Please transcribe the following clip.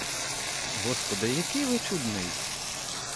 Господи, який ви чудний.